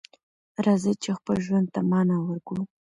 راځئ چې خپل ژوند ته معنی ورکړو.